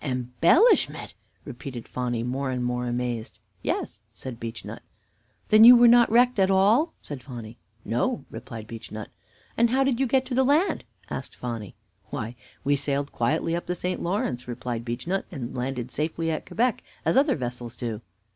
"Embellishment!" repeated Phonny, more and more amazed. "Yes," said Beechnut. "Then you were not wrecked at all?" said Phonny. "No," replied Beechnut. "And how did you get to the land?" asked Phonny. "Why, we sailed quietly up the St. Lawrence," replied Beechnut, "and landed safely at Quebec, as other vessels do."